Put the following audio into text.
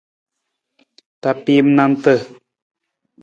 Tapiim nanta.